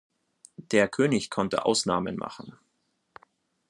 Der König konnte Ausnahmen machen.